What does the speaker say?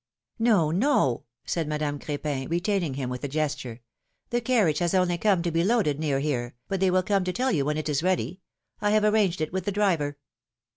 No, no," said Madame Cr^pin, retaining him with a gesture ; the carriage has only come to be loaded near here, but they will come to tell you when it is ready ; I have arranged it with the driver."